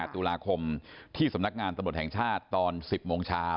ตุลาคมที่สำนักงานตำรวจแห่งชาติตอน๑๐โมงเช้า